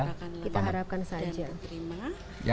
kita harapkan saja